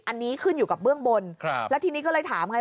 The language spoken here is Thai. อันนี้ขึ้นอยู่กับเบื้องบนครับแล้วทีนี้ก็เลยถามไง